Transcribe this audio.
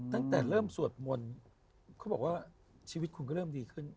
ตั้งแต่เริ่มสวดมนต์เขาบอกว่าชีวิตคุณก็เริ่มดีขึ้น